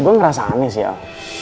gue ngerasa aneh sih al